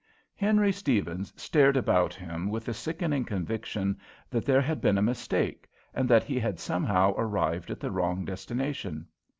Henry Steavens stared about him with the sickening conviction that there had been a mistake, and that he had somehow arrived at the wrong destination.